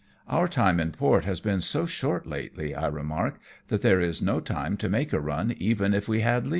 " Our time in port has been so short lately," I remark, " that there is no time to make a run even if we had leave."